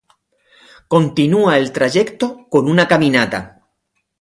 Continúa el trayecto con una caminata.